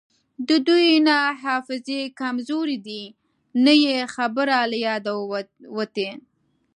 د دوی نه حافظې کمزورې دي نه یی خبره له یاده وتې